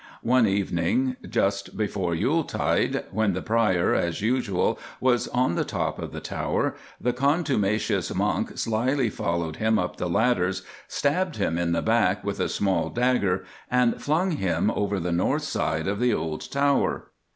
One evening just before Yuletide, when the Prior, as usual, was on the top of the tower, the contumacious monk slyly followed him up the ladders, stabbed him in the back with a small dagger, and flung him over the north side of the old tower."